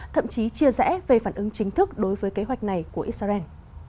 thậm chí chia rẽ về phản ứng chính thức đối với kế hoạch này của israel